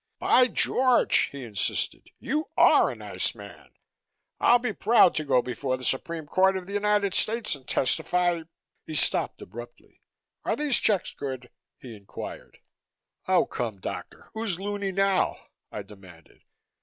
"By George!" he insisted. "You are a white man. I'd be proud to go before the Supreme Court of the United States and testify " He stopped abruptly. "Are these checks good?" he inquired. "Oh, come, doctor, who's loony now?" I demanded.